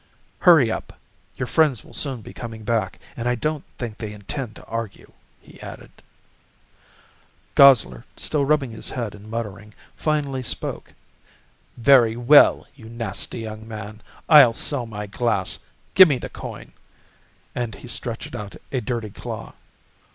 Hurry up your friends will soon be coming back, and I don't think they intend to argue," he added. Gosler, still rubbing his head and muttering, finally spoke. "Very well, you nasty young man, I'll sell my glass. Give me the coin!" and he stretched out a dirty claw.